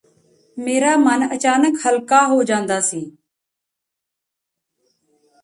ਮੇਰਾ ਮਨ ਅਚਾਨਕ ਹਲਕਾ ਹੋ ਜਾਂਦਾ ਸੀ